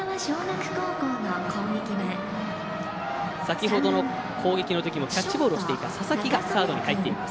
先ほどの攻撃のときもキャッチボールをしていた佐々木がサードに入っています。